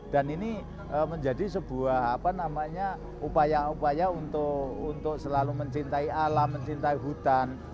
dan ini menjadi sebuah upaya upaya untuk selalu mencintai alam mencintai hutan